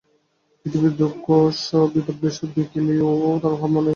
পৃথিবীর দুঃখশোকদারিদ্র্য বিবাদবিদ্বেষ দেখিলেও তাঁহার মনে আর নৈরাশ্য জন্মিত না।